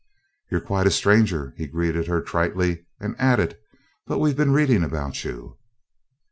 "You're quite a stranger!" he greeted her tritely, and added, "But we've been reading about you."